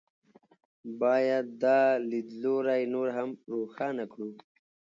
باید دا لیدلوری نور هم روښانه کړو.